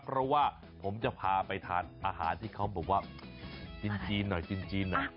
เพราะว่าผมจะพาไปทานอาหารที่เขาบอกว่ากินจีนหน่อยกินจีนหน่อย